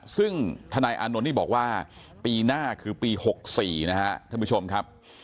ซึ่งทนายอานนท์นี่บอกว่าปีหน้าคือปี๖๔นะครับท่านผู้ชมครับ